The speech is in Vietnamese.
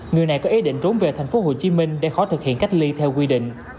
người này có ý định trốn về thành phố hồ chí minh để khó thực hiện cách ly theo quy định